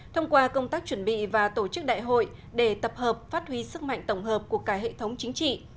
thông qua công tác chuẩn bị và tổ chức đại hội để tập hợp phát huy sức mạnh tổng hợp của cả hệ thống chính trị